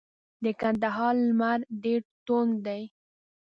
د کندهار لمر ډیر توند دی.